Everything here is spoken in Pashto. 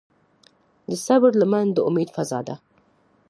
د صبر لمن د امید فضا ده.